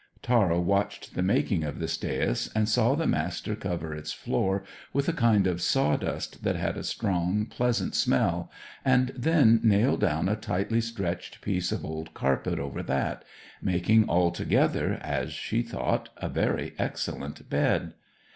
Tara watched the making of this dais, and saw the master cover its floor with a kind of sawdust that had a strong, pleasant smell, and then nail down a tightly stretched piece of old carpet over that, making altogether, as she thought, a very excellent bed.